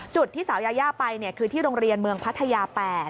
ที่สาวยายาไปคือที่โรงเรียนเมืองพัทยา๘